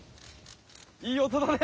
いい音だね！